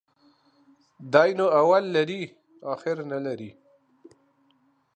دى نو اول لري ، اخير نلري.